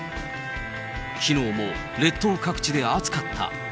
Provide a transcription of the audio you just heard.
きのうも列島各地で暑かった。